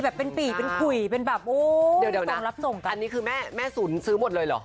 เดี๋ยวนะอันนี้คือแม่สุนซื้อหมดเลยเหรอ